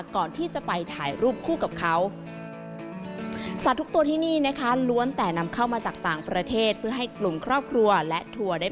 ก่อนที่จะไปถ่ายรูปคู่กับเขา